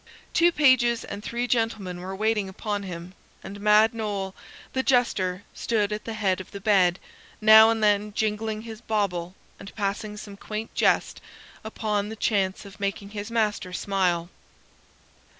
Two pages and three gentlemen were waiting upon him, and Mad Noll, the jester, stood at the head of the bed, now and then jingling his bawble and passing some quaint jest upon the chance of making his master smile.